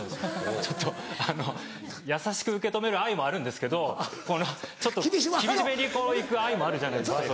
ちょっとあの優しく受け止める愛もあるんですけどちょっと厳しめにこう行く愛もあるじゃないですか。